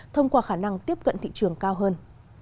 thông qua khả năng tiếp cận thị trường cao hơn